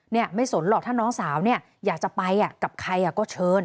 เนี่ยไม่สนหรอกถ้าน้องสาวเนี่ยอยากจะไปกับใครก็เชิญ